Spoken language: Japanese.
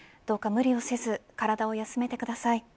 どうか無理をせず体を休めてください。